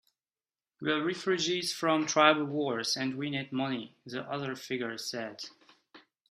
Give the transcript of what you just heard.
"We're refugees from the tribal wars, and we need money," the other figure said.